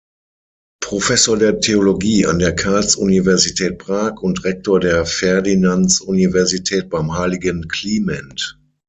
Professor der Theologie an der Karls-Universität Prag und Rektor der Ferdinands-Universität beim Heiligen Kliment.